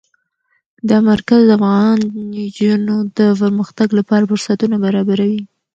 دا مرکز د افغان نجونو د پرمختګ لپاره فرصتونه برابروي.